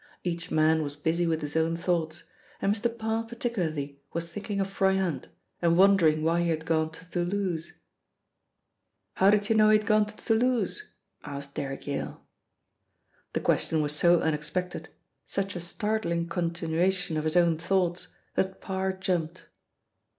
Each man was busy with his own thoughts, and Mr. Parr particularly was thinking of Froyant, and wondering why he had gone to Toulouse, "How did you know he had gone to Toulouse?" asked Derrick Yale. The question was so unexpected, such a startling continuation of his own thoughts, that Parr jumped.